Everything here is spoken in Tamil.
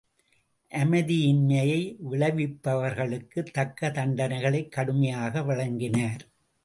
அமைதியின்மையை விளைவிப்பவர்களுக்குத் தக்க தண்டனைகளைக் கடுமையாக வழங்கினார்.